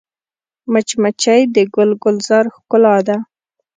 مچمچۍ د ګل ګلزار ښکلا ده